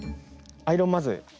アイロンまず。